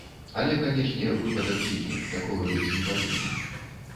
Але, канечне, выпадак дзікі, такога быць не павінна.